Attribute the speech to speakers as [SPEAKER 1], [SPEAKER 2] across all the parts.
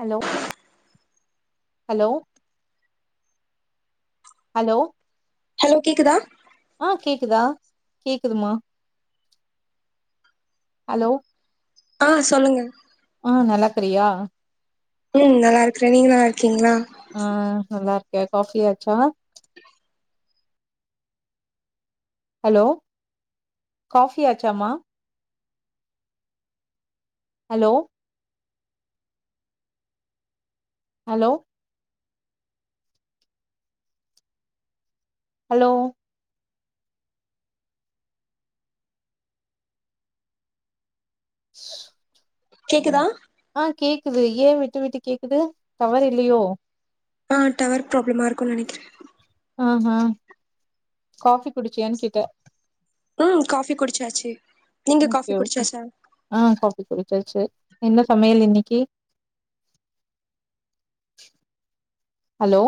[SPEAKER 1] Hello hello hello
[SPEAKER 2] hello கேக்குதா
[SPEAKER 1] ஆ கேக்குதா கேக்குதுமா ஹலோ
[SPEAKER 2] ஆ சொல்லுங்க
[SPEAKER 1] ஆ நல்லாக்கிறியா
[SPEAKER 2] ம் நல்லா இருக்குறே நீங்க நல்லா இருக்கீங்களா
[SPEAKER 1] ஆ ஐ ஆம் ஓக்கே காஃபி ஆச்சா ஹலோ கஃபி ஆச்சாமா ஹலோ ஹலோ ஹலோ
[SPEAKER 2] கேக்குதா
[SPEAKER 1] ஆ கேக்குது ஏ விட்டு விட்டு கேக்குது டவர் இல்லியோ
[SPEAKER 2] ஆ டவர் ப்ராப்ளமா இருக்குனு நெனைக்கற
[SPEAKER 1] ஆ ஹா காஃபி குடிச்சியான்னு கேட்ட
[SPEAKER 2] ஆ காஃபி குடிச்சாச்சு நீங்க காஃபி
[SPEAKER 1] ஓகே ஓகே
[SPEAKER 2] குடிச்சாச்சா
[SPEAKER 1] ஆ காஃபி குடிச்சாச்சு என்ன சமையல் இன்னிக்கி ஹலோ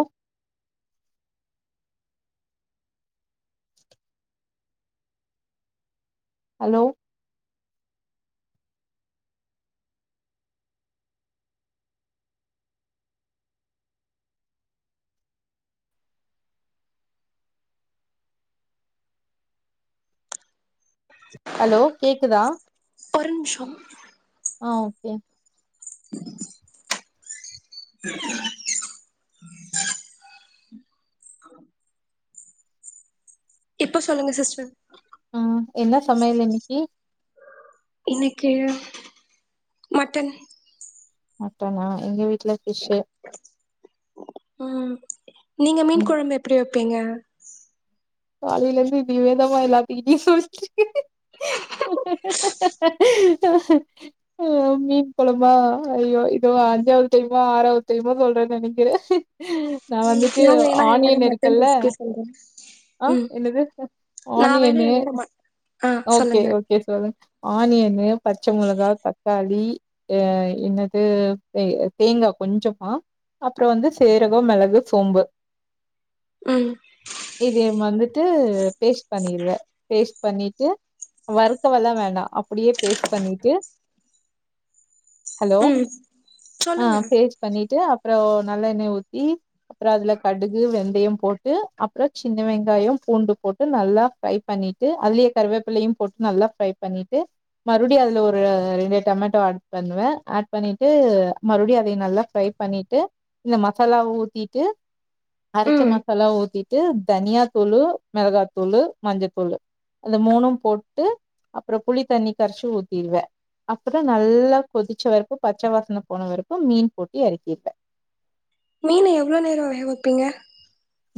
[SPEAKER 1] ஹலோ ஹலோ கேக்குதா
[SPEAKER 2] ஒரு நிமிஷோ
[SPEAKER 1] ஆ ஓகே
[SPEAKER 2] இப்ப சொல்லுங்க சிஸ்டர்
[SPEAKER 1] ம் என்ன சமையல் இன்னிக்கி
[SPEAKER 2] இன்னிக்கி மட்டன்
[SPEAKER 1] மட்டனா எங்க வீட்ல ஃபிஷ்ஷு
[SPEAKER 2] ம் நீங்க மீன்
[SPEAKER 1] ம்
[SPEAKER 2] கொழம்பு எப்டி வைப்பீங்க
[SPEAKER 1] காலையில இருந்து இதேதாமா எல்லாத்து கிட்டயூ சொல்ட்டு ஆ மீன் கொழம்பா ஐயோ இதுவா அஞ்சாவது டைமா ஆறாவது டைமா சொல்றோன் தெனைக்கி நா வந்துட்டு
[SPEAKER 2] நா வேணா என்னோட
[SPEAKER 1] ஆனியன்
[SPEAKER 2] மட்டன்
[SPEAKER 1] இருக்குல்ல
[SPEAKER 2] [unintelligible]
[SPEAKER 1] ஆ என்னது
[SPEAKER 2] நா வேணா
[SPEAKER 1] ஆனியன்னு
[SPEAKER 2] என்னோட மட் ஆ
[SPEAKER 1] ஓகே
[SPEAKER 2] சொல்லுங்க
[SPEAKER 1] ஓ கே செல்றெ ஆனியனு பச்ச மெளகா தக்காளி அ என்னது தே தேங்கா கொஞ்சமா அப்றோ வந்து சீரகோ மிளகு சோம்பு
[SPEAKER 2] ம்
[SPEAKER 1] வேவ் வந்துட்டு பேஸ்ட் பண்ணிருவே பேஸ்ட் பண்ணிட்டு வறுக்கவல்லா வேண்டா அப் அப்டியே பேஸ்ட் பண்ணிட்டு ஹலோ
[SPEAKER 2] ம்
[SPEAKER 1] ஆ
[SPEAKER 2] சொல்லுங்க
[SPEAKER 1] பேஸ்ட் பண்ணிட்டு அப்றோ நல்லெண்ணெய் ஊத்தி அப்றோ அதுல கடுகு வெந்தயோ போட்டு அப்றோ சின்ன வெங்காயோ பூண்டு போட்டு நல்லா ஃப்ரை பண்ணிட்டு அதுலியே கருவேப்பிலையூ போட்டு நல்லா ஃப்ரை பண்ணிட்டு மறுபடியூ அதுல ஒரு ரெண்டு டொமேட்டோ ஆட் பண்ணுவ ஆட் பண்ணிட்டு மறுபடியும் அதே நல்லா ஃப்ரை பண்ணிட்டு இந்த மசாலாவ ஊத்திட்டு அரைச்ச
[SPEAKER 2] ம்
[SPEAKER 1] மசாலாவை ஊத்தி ட்டு தனியாத்தூளு மிளகாத்தூளு மஞ்சத்தூளு அத மூணூ போட்டு அப்றோ புளி தண்ணி கரைச்சு ஊத்திருவே அப்றோ நல்லா கொதிச்ச வரைக்கூ பச்ச வாசன போன வரைக்கூ மீன் போட்டு எறக்கிருவே
[SPEAKER 2] மீன எவ்ளோ நேரோ வேக வைப்பீங்க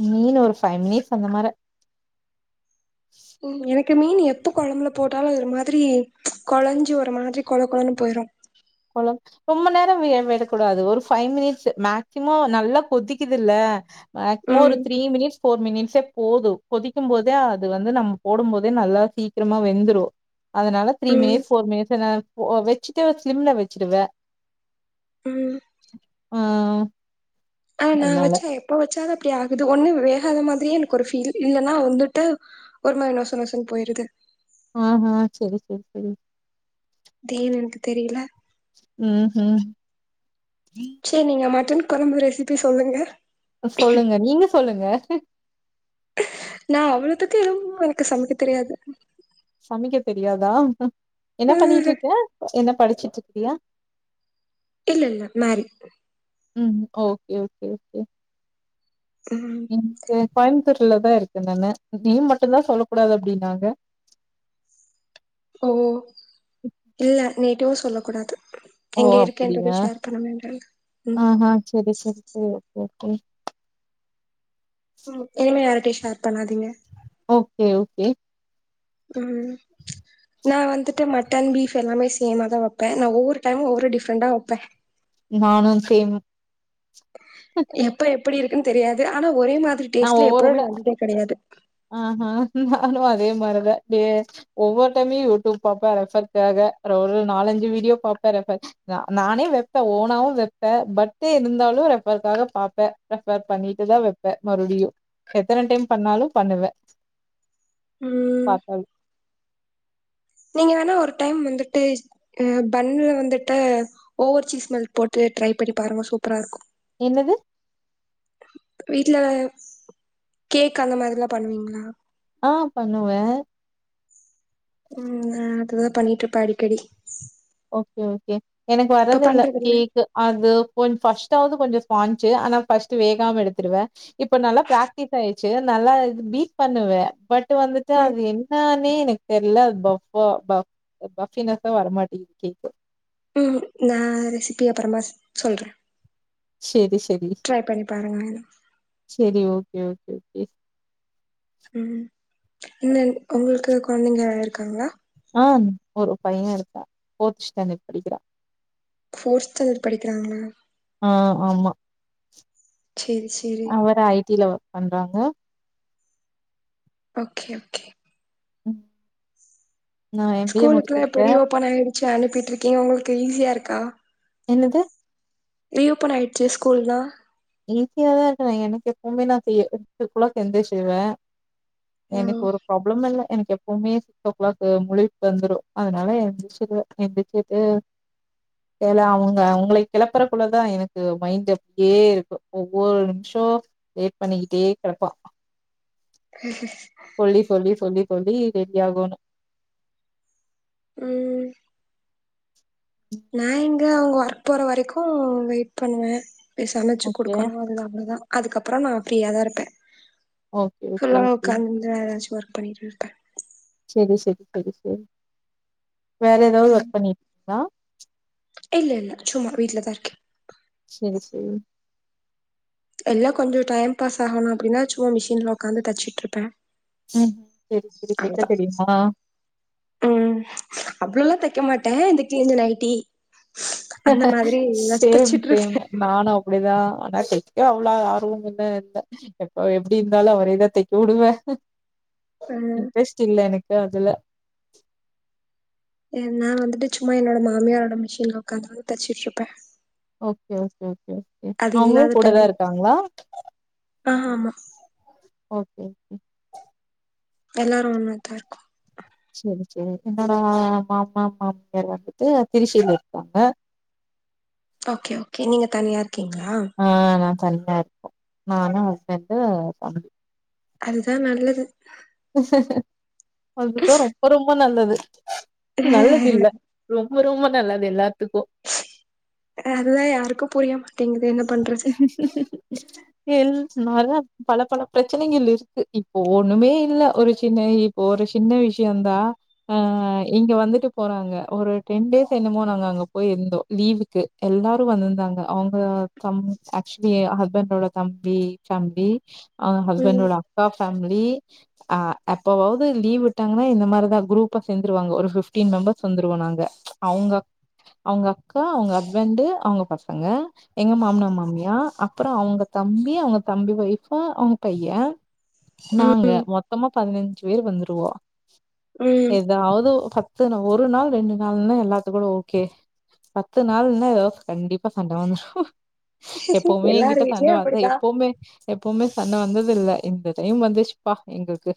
[SPEAKER 1] மீன ஒரு ஃபைவ் மினிட்ஸ் அந்த மார
[SPEAKER 2] ம் எனக்கு மீன் எப்ப கொழம்புல போட்டாலும் ஒரு மாதிரி கொழஞ்சு ஒரு மாதிரி கொழ கொழனு போயிரும்
[SPEAKER 1] கொழ ரொம்ப நேரோ விடக்கூடாது ஒரு ஃபைவ் மினிட்ஸ் மேக்சிமம் நல்லா கொதிக்குதுல்ல மேக்சிமம் ஒரு
[SPEAKER 2] ம்
[SPEAKER 1] த்ரீ மினிட்ஸ் ஃபோர் மினிட்ஸ் போதும் கொதிக்கும் போதே, அது வந்து நம்ம போடும் போதே நல்லா சீக்கிரமா வெந்துரு அதனால த்ரீ
[SPEAKER 2] ம்
[SPEAKER 1] மினிட்ஸ் ஃபோர் மினிட்ஸ் வெச்சுட்ட ஸ்லிம்ல வெச்சிடுவே
[SPEAKER 2] ம்
[SPEAKER 1] ம்
[SPEAKER 2] ஆ நான் வெச்ச எப்ப வெச்சாலும் அப்டி ஆகுது ஒண்ணு வேகாத மாதிரியே எனக்கு ஒரு ஃபீல் இல்லன்னா வந்துட்டு ஒரு மாரி நோசு நோசுன்னு போயிருது
[SPEAKER 1] அ ஆ செரி செரி செரி
[SPEAKER 2] தேன் எனக்கு தெரியல
[SPEAKER 1] ம் ஹும்
[SPEAKER 2] செரி நீங்க மட்டன் கெழம்பு ரெசிபி சொல்லுங்க
[SPEAKER 1] அ சொல்லுங்க நீங்க சொல்லுங்க
[SPEAKER 2] நான் அவ்ளத்துக்கு எதுவும் எனக்கு சமைக்கத் தெரியாது
[SPEAKER 1] சமைக்கத் தெரியாதா என்ன பண்ணிட்டு இருக்கே என்ன படிச்சுட்டு இருக்கியா
[SPEAKER 2] இல்ல இல்ல மேரிடு
[SPEAKER 1] ம் ஓகே ஓகே ஓகே
[SPEAKER 2] ம்
[SPEAKER 1] கோயம்புத்தூர்ல தான் இருக்கக நானு நேம் மட்டும்தான் சொல்லக் கூடாது அப்டின்னாங்க
[SPEAKER 2] ஓ இல்ல நேட்டவும் சொல்லக் கூடாது
[SPEAKER 1] ஓ
[SPEAKER 2] எங்க இருக்கேன்றத
[SPEAKER 1] அப்டியா
[SPEAKER 2] ஷேர் பண்ண வேண்டாங்க
[SPEAKER 1] ஆ
[SPEAKER 2] ம்
[SPEAKER 1] ஹா செரி செரி செரி ஓகே ஓகே
[SPEAKER 2] ம் இனிமே யாருட்டயும் ஷேர் பண்ணாதீங்க.
[SPEAKER 1] ஓகே ஓகே
[SPEAKER 2] ம் நான் வந்துட்டு மட்டன், பீஃப் எல்லாமே சேமா தான் வைப்பேன் நான் ஒவ்வொரு டைம் ஒவ்வொரு டிஃப்ரண்டா வைப்பே
[SPEAKER 1] நானும் சேம்
[SPEAKER 2] எப்ப எப்டி இருக்குன்னு தெரியாது ஆனா ஒரே மாதிரி
[SPEAKER 1] நான்
[SPEAKER 2] டேஸ்ட்ல எப்பவுமே
[SPEAKER 1] ஒவ்வொருட
[SPEAKER 2] வந்ததே கெடையாது
[SPEAKER 1] ஆ நானும் அதே மாரித ஒவ்வொரு டைமும் யூடியூப் பாப்பே ரெஃபர் காக ஒரு நாலஞ்சு வீடியோ பாப்பே ரெஃபர் நானே வெப்பேன், ஒண்ணாவும் வெப்பேன் பட் இருந்தாலும் ரெஃபருக்காக பாப்பேன். ரெஃபர் பண்ணிட்டுதான் வெப்பேன் மறுபடியும் எத்தன டைம் பண்ணாலும் பண்ணுவேன்
[SPEAKER 2] ம்
[SPEAKER 1] பாத்தாலும்
[SPEAKER 2] நீங்க வேணா ஒரு டைம் வந்துட்டு பண்ணல வந்துட்டு ஓவர் சீஸ் மெல்க் போட்டு ட்ரை பண்ணி பாருங்க சூப்பரா இருக்கும்
[SPEAKER 1] என்னது
[SPEAKER 2] வீட்ல கேக் அந்த மாதிரில்லா பண்ணுவீங்களா
[SPEAKER 1] ஆ பண்ணுவேன்
[SPEAKER 2] ம் அதுதான் பண்ணிட்டு இருப்பேன் அடிக்கடி
[SPEAKER 1] ஓகே ஓகே எனக்கு
[SPEAKER 2] இப்ப
[SPEAKER 1] வரது இல்ல
[SPEAKER 2] பண்றதில்ல
[SPEAKER 1] கேக் அது கொஞ் ஃபர்ஸ்ட்டாவது கொஞ்ச ஸ்பாஞ் ஆனா ஃபர்ஸ்ட் வேகாம எடுத்துடுவேன் இப்ப நல்லா பிராக்டிஸ் ஆயிச்சு நல்லா பீட் பண்ணுவேன் பட் வந்துட்டு
[SPEAKER 2] ம்
[SPEAKER 1] அது என்னென்னே எனக்குத் தெரியல அது பஃபா பஃப் பஃப்பினஸ்ஸா வரமாட்டேங்குது கேக்
[SPEAKER 2] ம் நான் ரெசிபி அப்பறமா சொல்றேன்
[SPEAKER 1] செரி செரி
[SPEAKER 2] ட்ரை பண்ணி பாருங்க
[SPEAKER 1] சேரி ஓகே ஓகே ஓகே
[SPEAKER 2] ம் என்ன உங்களுக்கு கொழந்தைங்க வே [unintelligible] இருக்காங்ளா
[SPEAKER 1] ஆ ஒரு பையே இருக்கா போர்த் ஸ்டாண்டர்ட் படிக்கிறா
[SPEAKER 2] ஃபோர்த்து படிக்கிறாங்க மேம்
[SPEAKER 1] ஆ ஆமா
[SPEAKER 2] சேரி சேரி
[SPEAKER 1] அவரு ஐ டி ல ஒர்க் பண்றாங்க
[SPEAKER 2] ஓகே ஓகே
[SPEAKER 1] ம் நா எம் பி ஏ
[SPEAKER 2] ஸ்கூலுக்குல்லா இப்போ
[SPEAKER 1] முடிச்சிருக்கே
[SPEAKER 2] ரீ ஓப்பன் ஆயிடுச்சு அனுப்பிட்டுருக்கீங்க உங்களுக்கு ஈஸியாருக்கா
[SPEAKER 1] என்னது
[SPEAKER 2] ரீ ஓப்பன் ஆய்டுச்சு ஸ்கூல்லா
[SPEAKER 1] ஈஸியா தாருக்கு எனக்கு எப்பவுமே நா செய்ய சிக்ஸ் ஒ கிளாக் எந்திரிசிருவே எனக்கு
[SPEAKER 2] ம்
[SPEAKER 1] ஒரு ப்ராப்ளமு இல்ல எனக்கு எப் எப்போமே சிக்ஸ் ஓ கிளாக் முழிப்பு வந்துரு அதனால எந்திருச்சிருவ எந்திருச்சிட்டு ஏல அவுங்க அவுங்கள கிளப்புறக்குள்ளதா எனக்கு மைண்ட் அப்டியே இருக் ஒவ்வொரு நிமிஷோ லேட் பண்ணிக்கிட்டே கெடப்பா சொல்லி சொல்லி சொல்லி சொல்லி ரெடி ஆகோணு
[SPEAKER 2] ம் நா எங்க அவுங்க ஒர்க் போற வரைக்கு வெயிட் பண்ணுவெ போய் சமைச்சு
[SPEAKER 1] ஓகே,
[SPEAKER 2] குடுக்கணு அது அவ்ளதா அதுக்கப்புறோ நா ஃப்ரீயாதாருப்பெ
[SPEAKER 1] ஓகே, ஓகே,
[SPEAKER 2] [unintelligible]
[SPEAKER 1] ஓகே.
[SPEAKER 2] உக்காந்து ஏதாச்சு ஒர்க் பண்ணிட்டிருப்ப
[SPEAKER 1] செரி செரி செரி செரி வேற ஏதாவது
[SPEAKER 2] ம்
[SPEAKER 1] ஒர்க் பண்ணீருக்கீங்ளா
[SPEAKER 2] இல்ல இல்ல சும்மா வீட்ல தாருக்கே
[SPEAKER 1] செரி செரி
[SPEAKER 2] எல்லா கொஞ்சோ டைம் பாஸ் ஆகணு அப்டின்னா சும்மா மிஷின்ல உக்காந்து தச்சிட்டுருப்பே
[SPEAKER 1] ம் செரி செரி தெக்க தெரியுமா
[SPEAKER 2] ம் அவ்ளோலா தெக்க மாட்டே இந்த கிழிஞ்ச நைட்டி அந்த மாதிரி ஏதாச்சு
[SPEAKER 1] சேம் சேம்
[SPEAKER 2] தச்சுட்ருப்பே
[SPEAKER 1] நானு அப்டிதா ஆனா தைக்க அவ்ள ஆர்வம் எல்லா இல்ல எப்போ எப்டிருந்தாலு அவரே தா தெக்க வுடுவெ
[SPEAKER 2] அ
[SPEAKER 1] இன்ட்ரெஸ்ட் இல்ல எனக்கு அதுல
[SPEAKER 2] எ நா வந்துட்டு சும்மா என்னோட மாமியாரோட மிஷின்ல உக்காந்து வது தச்சிட்ருப்பெ
[SPEAKER 1] ஓகே ஓகே ஓகே ஓகே
[SPEAKER 2] அது
[SPEAKER 1] அவுங்களு
[SPEAKER 2] இல்லாத
[SPEAKER 1] கூடதா
[SPEAKER 2] டைம்
[SPEAKER 1] இருக்காங்ளா
[SPEAKER 2] ஆ ஆமா
[SPEAKER 1] ஓகே ஓகே
[SPEAKER 2] எல்லாரு ஒன்னாதாருக்கோ
[SPEAKER 1] செரி செரி என்னோட மாமா மாமியார் வந்துட்டு திருச்சில இருக்காங்க
[SPEAKER 2] ஓகே ஓகே நீங்க தனியாருக்கீங்களா
[SPEAKER 1] ஆ நா தனியாருக்கோ நானு ஹஸ்பண்ட்டு தம்பி
[SPEAKER 2] அதுதா நல்லது
[SPEAKER 1] அதுதா ரொம்ப ரொம்ப நல்லது நல்லதில்ல ரொம்ப ரொம்ப நல்லது எல்லாத்துக்கு
[SPEAKER 2] அதுதா யாருக்கு புரியமாட்டேங்குது என்ன பண்றது
[SPEAKER 1] எல் நொர பல பல பிரச்சனைங்கள் இருக்கு இப்போ ஒன்னுமே இல்ல ஒரு சின்ன இப்போ ஒரு சின்ன விஷ்யந்தா ஆ இங்க வந்துட்டு போறாங்க ஒரு டென் டேஸ் என்னமோ நாங்க அங்க போய் இருந்தோ லீவுக் க் எல்லாரு வந்திந்தாங்க அவுங்க தம் ஆக்சுலி ஏ ஹஸ்பண்டோட தம்பி ஃபேமிலி ஆ
[SPEAKER 2] ம்
[SPEAKER 1] ஹஸ்பண்ட்டோட அக்கா ஃபேமிலி அ அப்பவாவ்து லீவ்விட்டாங்கன்னா இந்த மாரிதா குரூப்பா சேந்துருவாங்கோ ஒரு பிஃப்டீன் மெம்பர்ஸ் வந்துருவோ நாங்க அவுங்க அவுங்க அக்கா அவுங்க ஹஸ்பண்ட்டு அவங்க பசங்க எங்க மாம்னா மாமியா அப்புறோ அவுங்க தம்பி அவுங்க தம்பி ஒய்ஃபு அவுங்க பைய்யே நாங்க
[SPEAKER 2] ம்
[SPEAKER 1] மொத்தமா பதினஞ்சி பேர் வந்துருவோ
[SPEAKER 2] ம்
[SPEAKER 1] எதாவது பத்துனு ஒரு நாள் ரெண்டு நாள்னா எல்லாத்துக்கூட ஓகே பத்து நாள்னா எதோ கண்டிப்பா சண்ட வந்துரு எப்பவுமே
[SPEAKER 2] எல்லார்
[SPEAKER 1] எங்கிட்ட சண்ட
[SPEAKER 2] வீட்லயு
[SPEAKER 1] வந்தே
[SPEAKER 2] அப்படிதா
[SPEAKER 1] எப்போமே எப்போமே சண்ட வந்தில்ல இந்த டைம் வந்ச்சிப்பா எங்கள்க்கு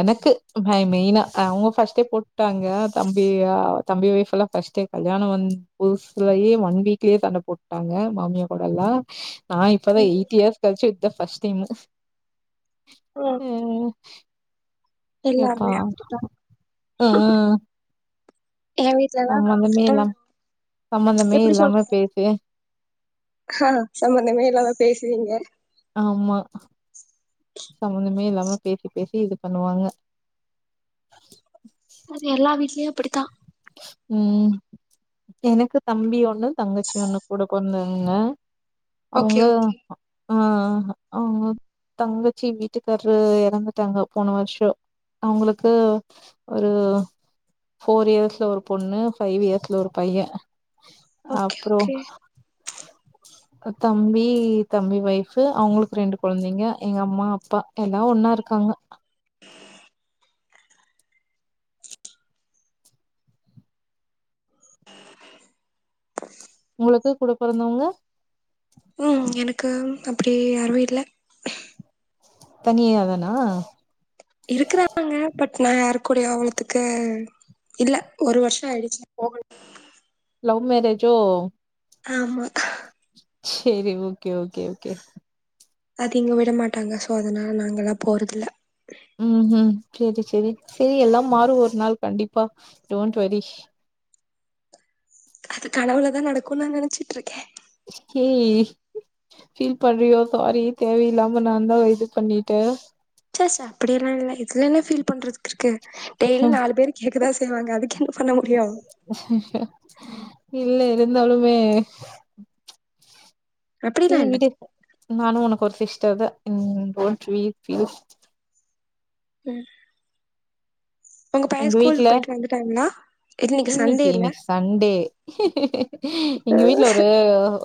[SPEAKER 1] எனக்கு மெ மெய்னா அவுங்க ஃபஸ்ட்டே போட்டாங்க தம்பியா தம்பி ஒய்ஃப்லெல்லா ஃபஸ்ட்டே கல்யாணோ வந் புஸ்லயே ஒன் வீக்லயே சண்ட போட்டாங்க மாமியா கூட எல்லா நா இப்பதா
[SPEAKER 2] ம்
[SPEAKER 1] எயிட்டி இயர்ஸ் கழிச்சி இப்தா ஃபஸ்ட் டைமு
[SPEAKER 2] ம்
[SPEAKER 1] எப்பா
[SPEAKER 2] எல்லாருமே அப்படித்தா
[SPEAKER 1] ஆ
[SPEAKER 2] ஏ வீட்லலா நா வந்துட்டு
[SPEAKER 1] இல்லாம சம்பந்தமே
[SPEAKER 2] எப்டி
[SPEAKER 1] இல்லாம
[SPEAKER 2] சொல்றது
[SPEAKER 1] பேசி
[SPEAKER 2] ஆ சம்மந்தமே இல்லாம பேசுவீங்க
[SPEAKER 1] ஆமா சம்மந்தமே இல்லாம பேசி பேசி இது பண்ணுவாங்க
[SPEAKER 2] அது எல்லா வீட்லியு அப்பிடித்தா
[SPEAKER 1] ம் எனக்கு தம்பி ஒன்னு தங்கச்சி ஒன்னு கூட பொறந்தவங்க
[SPEAKER 2] ஓகே
[SPEAKER 1] அவுங்க
[SPEAKER 2] ஓகே
[SPEAKER 1] ஆ ஆ தங்கச்சி வீட்டுக்கார்ரு எறந்துட்டாங்க போன வருசோ அவுங்களுக்கு ஒரு ஃபோர் இயர்ஸ் த்தா ஒரு பொண்ணு ஃபைவ் இயர்ஸ்ல ஒரு பையே
[SPEAKER 2] ஓகே
[SPEAKER 1] அப்புறோ
[SPEAKER 2] ஓகே
[SPEAKER 1] தம்பி தம்பி வைஃப் அவுங்களுக்கு ரெண்டு கொழந்தைங்க எங்க அம்மா அப்பா எல்லா ஒன்னா இருக்காங்க உங்களுக்கு கூட பொறந்தவங்க
[SPEAKER 2] ம் எனக்கு அப்பிடியே யாருமே இல்ல
[SPEAKER 1] தனியா தானா
[SPEAKER 2] இருக்கிறாங்க பட் நா யாருக்கூடயு அவ்ளத்துக்கு இல்ல ஒரு வருஷோ ஆயிடிச்சி போகனு
[SPEAKER 1] லவ் மேரேஜோ
[SPEAKER 2] ஆமா
[SPEAKER 1] சேரி ஓகே ஓகே ஓகே
[SPEAKER 2] அது இங்க விடமாட்டாங்க சோ அதனால நாங்கல்லா போறதில்ல
[SPEAKER 1] ம் ம் சேரி சேரி செரி எல்லா மாறு ஒரு நாள் கண்டிப்பா டோன்ட்வரி
[SPEAKER 2] அது கனவுலதா நடக்குன் நா நெனச்சிட்டு இருக்கே
[SPEAKER 1] ஏ ஃபீல் பண்றியோ சாரி தேவையில்லாம நா தா இது பண்ணிட்டே
[SPEAKER 2] ச்சஸ அப்பிடியெல்லா இல்ல இதுல என்ன ஃபீல் பண்றதுக்கு இருக்கு டெய்லி நாலு பேர் கேக்க தா செய்வாங்க அதுக்கு என்ன பண்ண முடியு
[SPEAKER 1] இல்ல இருந்தாலுமே சே
[SPEAKER 2] அப்டிலா இல்ல
[SPEAKER 1] விடு நானு உனக்கு ஒரு சிஸ்டர்தா ம் டோன்ட் வி ஃபீல்
[SPEAKER 2] ம் உங்க பையே ஸ்கூலுக்கு போயிட்டு வந்துட்டாங்களா இன்னைக்கு சண்டே
[SPEAKER 1] இன்னிக்கி இன்னக்கி சண்டே எங்க வீட்ல
[SPEAKER 2] இல்ல
[SPEAKER 1] ஒரு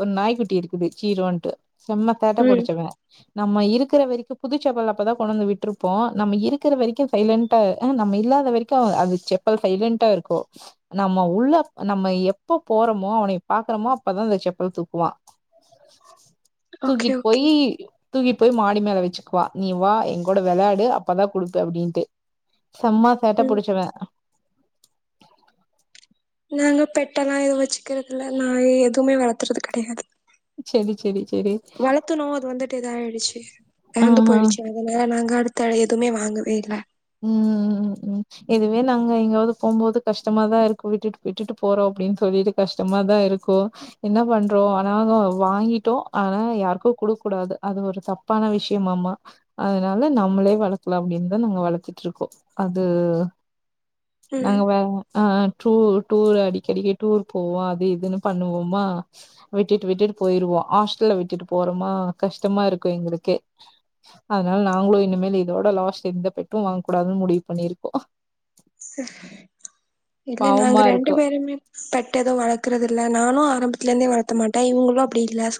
[SPEAKER 1] ஒரு நாய்குட்டி இருக்கு சீரோன்ட்டு செம்ம சேட்ட
[SPEAKER 2] ம்
[SPEAKER 1] புடிச்சவே நம்ம இருக்கற வரைக்கு புதுச்செப்பல் அப்பதா கொண்டுவந்து விட்டுருப்போ நம்ம இருக்கற வரைக்கு சைலன்ட்டா ஆ நம்ம இல்லாத வரைக்கு அது செப்பல் சைலன்ட்டா இருக்கு நம்ம உள்ள நம்ம எப்ப போறோமோ அவனைய பாக்குறோமோ அப்பதா அந்த செப்பல் தூக்குவா
[SPEAKER 2] ஓகே
[SPEAKER 1] தூக்கிட்
[SPEAKER 2] ஓகே
[SPEAKER 1] போயி தூக்கிட் போய் மாடி மேல வச்சுக்குவா நீ வா எங்கோட வெளையாடு அப்பதா குடுப்பே அப்டின்ட்டு செம்மா சேட்ட
[SPEAKER 2] ம்
[SPEAKER 1] புடிச்சவே
[SPEAKER 2] நாங்க பெட்டெல்லா எதுவு வச்சுக்கறதுல்ல நாய் எதுவுமே வளர்த்துறது கிடையாது
[SPEAKER 1] செரி செரி செரி
[SPEAKER 2] வளத்துனோ அது வந்துட்டு இதாயிடுச்சு
[SPEAKER 1] ஆ
[SPEAKER 2] எறந்து
[SPEAKER 1] ஆ
[SPEAKER 2] போயிடுச்சு அதனால நாங்க அடுத்த எதுவுமே வாங்கவே இல்ல
[SPEAKER 1] ம் ம் இனிமே நாங்க எங்காவது போம்போது கஷ்டமாதா இருக்கு விட்டுட்டு விட்டுட்டு போறோ அப்டின்னு சொல்லிட்டு கஷ்டமாதா இருக்கு என்ன பண்றோ ஆனா வாங்கிட்டோ ஆனா யாருக்கு குடுக் கூடாது அது ஒரு தப் பான விஷயமமா அதனால நம்மளே வளக்கலா அப்டின்னுதா நாங்க வளக் வச்சிட்ருக்கோ அது
[SPEAKER 2] ம்
[SPEAKER 1] நாங்க வே ஆ ட்ரு டூர் அடிக்கடிக்க டூர் போவோ அது இதுன்னு பண்ணுவோமா விட்டுட்டு விட்டுட்டு போயிருவோ ஹாஸ்டல்ல விட்டுட்டு போறோமா கஷ்டமா இருக்கு எங்களுக்கே அதனால நாங்களு இனிமேலு இதோட லாஸ்ட் எந்த பெட்டு வாங்க கூடாதுன்னு முடிவு பண்ணிருக்கோ
[SPEAKER 2] சேரி இல்ல நாங்க
[SPEAKER 1] பாவமா
[SPEAKER 2] ரெண்டு
[SPEAKER 1] இருக்கு
[SPEAKER 2] பேருமே பெட் எது வளக்றதுல்ல நானு ஆரம்பத்துல இருந்தே வளத்த மாட்டே இவங்களு அப்டி இல்ல சோ